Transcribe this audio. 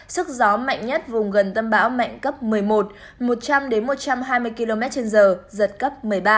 sức gió mạnh nhất vùng gần tâm bão mạnh cấp một mươi một một trăm linh một trăm hai mươi km trên giờ giật cấp một mươi ba